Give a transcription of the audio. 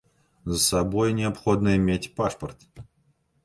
З сабой неабходна мець пашпарт.